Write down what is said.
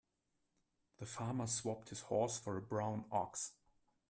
The farmer swapped his horse for a brown ox.